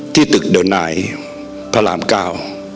ที่ตึกเดอร์นายพระรามเก้า